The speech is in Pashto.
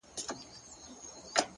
پرمختګ د ثابتو هڅو حاصل دی.